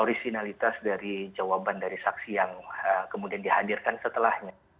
originalitas dari jawaban dari saksi yang kemudian dihadirkan setelahnya